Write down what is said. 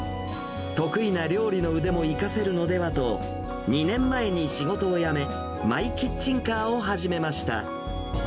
得意な料理の腕も生かせるのではと、２年前に仕事を辞め、マイキッチンカーを始めました。